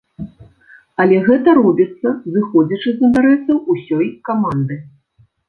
Але гэта робіцца, зыходзячы з інтарэсаў усёй каманды.